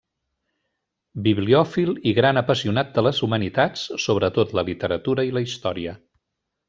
Bibliòfil i gran apassionat de les humanitats, sobretot la literatura i la història.